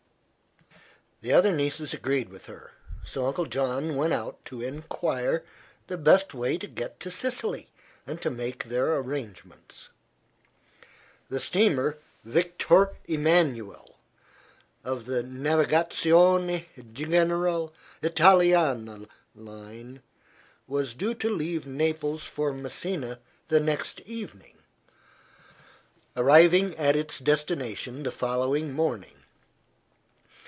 The other nieces agreed with her, so Uncle John went out to enquire the best way to get to Sicily, and to make their arrangements. The steamer "Victor Emmanuel" of the Navigazione General Italiana line was due to leave Naples for Messina the next evening, arriving at its destination the following morning.